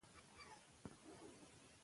او هماغه ډول به د پخوا